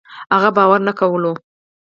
هغه باور نه کولو